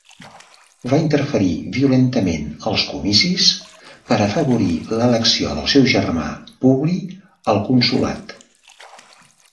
Va interferir violentament als comicis per afavorir l'elecció del seu germà Publi al consolat.